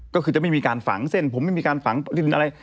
ก็คือจะไม่มีการฝังเส้นผมไม่มีการฝังดินอะไร